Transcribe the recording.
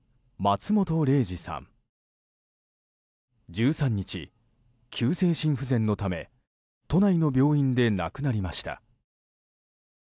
１３日、急性心不全のため都内の病院で亡くなりました。